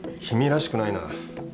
君らしくないな。